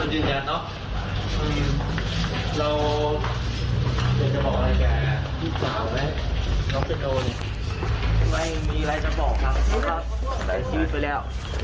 ไม่มีอะไรจะบอกครับครับแต่ชีวิตไปแล้ว